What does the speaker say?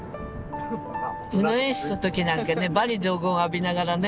宇野演出の時なんかね罵詈雑言浴びながらね。